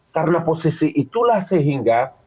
karena posisi itulah sehingga